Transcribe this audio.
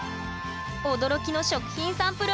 驚きの食品サンプル